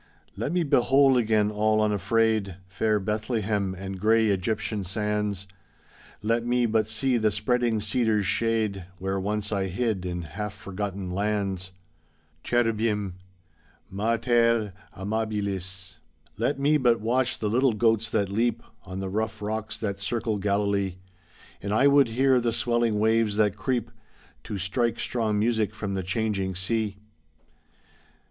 '* Let me behold again all unafraid, Fair Bethlehem and grey Egyptian sands, Let me but see the spreading cedar's shade Where once I hid in half forgotten lands. [8«] THE SAD TEARS HEROD (Continued) Cherubim: ^^Mater amabilis." Let me but watch the little goats that leap On the rough rocks that circle Galilee, And I would hear the swelling waves that creep To strike strong music from the changing sea.